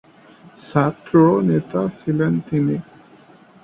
ছাত্র নেতা ছিলেন তিনি।